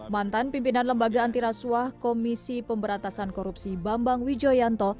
mantan pimpinan lembaga antirasuah komisi pemberantasan korupsi bambang wijoyanto